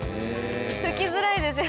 拭きづらいですよね。